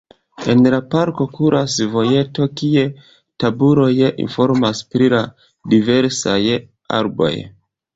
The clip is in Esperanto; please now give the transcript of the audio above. En la parko kuras vojeto, kie tabuloj informas pri la diversaj arboj.